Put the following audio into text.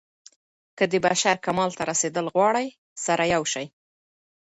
که د بشر کمال ته رسېدل غواړئ سره يو سئ.